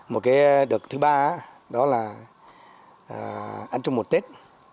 một cái đợt thứ ba đó là ăn chung một tết